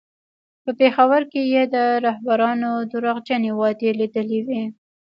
په پېښور کې یې د رهبرانو درواغجنې وعدې لیدلې وې.